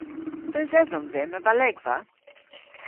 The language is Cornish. Eus edhom dhymm a valegva?